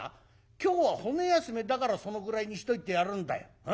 今日は骨休めだからそのぐらいにしといてやるんだよ。